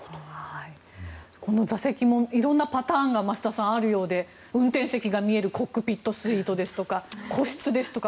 この座席も色んなパターンがあるようで運転席が見えるコックピットスイートですとか個室ですとか